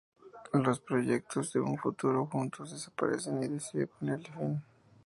Los proyectos de un futuro juntos desaparecen y decide ponerle fin.